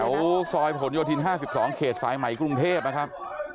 ซอยผลโยธิน๕๒เขตสายใหม่กรุงเทพนะครับ